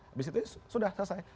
habis itu sudah selesai